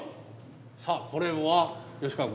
さあこれは吉川君。